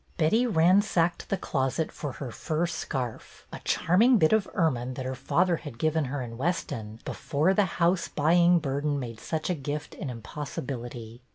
Betty ransacked the closet for her fur scarf, — a charming bit of ermine her father had given her in Weston before the house buying burden made such a gift an impossibility.